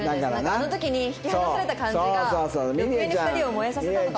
あの時に引き離された感じが余計に２人を燃えさせたのかも。